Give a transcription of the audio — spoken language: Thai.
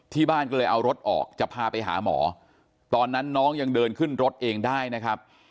ที่บ้านก็เลยเอารถออกจะพาไปหาหมอตอนนั้นน้องยังเดินขึ้นรถเองได้นะครับ